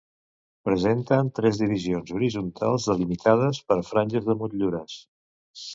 Presenten tres divisions horitzontals delimitades per franges de motllures.